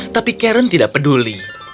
tapi karen tidak peduli